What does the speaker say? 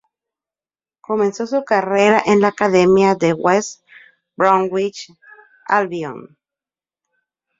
Comenzó su carrera en la academia del West Bromwich Albion.